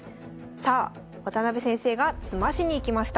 さあ渡辺先生が詰ましにいきました。